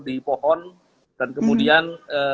di pohon dan kemudian